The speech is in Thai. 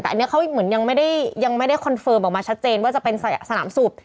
แต่อันนี้เขาเหมือนยังไม่ได้ยังไม่ได้คอนเฟิร์มออกมาชัดเจนว่าจะเป็นสนามสูบ